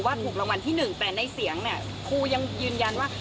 ถูกรางวัลที่หนึ่งแต่ในเสียงเนี่ยครูยังยืนยันว่า